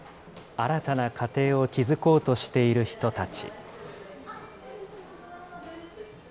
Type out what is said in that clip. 新たな家庭を築こうとしている人たち。